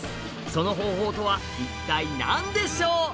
その方法とは一体何でしょう？